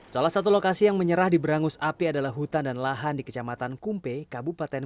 salah satu lokasi yang menyerah di berangus api adalah hutan dan lahan di kecamatan kumpe kabupaten